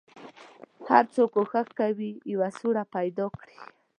هر څوک کوښښ کوي یوه سوړه پیدا کړي.